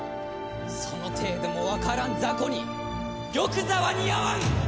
その程度もわからん雑魚に玉座は似合わん！